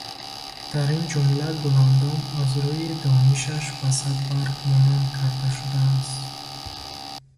Дар ин ҷумла Гуландом аз рӯйи донишаш ба Садбарг монанд карда шудааст.